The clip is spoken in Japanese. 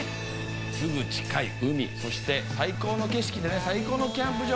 すぐ近い海、そして最高の景色で最高のキャンプ場